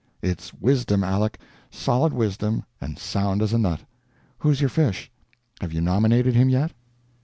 It's wisdom, Aleck, solid wisdom, and sound as a nut. Who's your fish? Have you nominated him yet?"